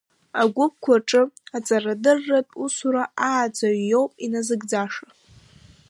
Агәыԥқәа рҿы аҵарадырратә усура ааӡаҩ иоуп иназыгӡаша.